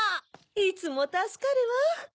いつもたすかるわ。